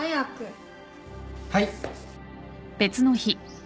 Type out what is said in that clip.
はい！